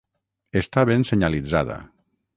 Està ben senyalitzada.